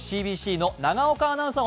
ＣＢＣの永岡アナウンサー